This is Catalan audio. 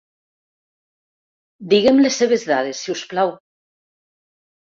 Diguem les seves dades, si us plau.